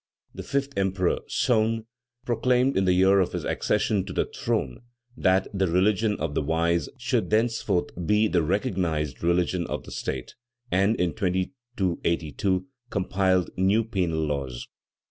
The fifth emperor, Soune, proclaimed in the year of his accession to the throne that "the religion of the wise" should thenceforth be the recognized religion of the State, and, in 2282, compiled new penal laws.